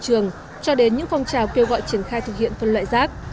trong đó những phong trào kêu gọi triển khai thực hiện phân loại rác